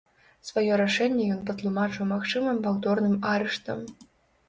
Сваё рашэнне ён патлумачыў магчымым паўторным арыштам.